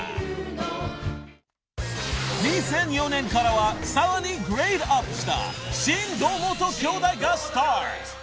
［２００４年からはさらにグレードアップした『新堂本兄弟』がスタート］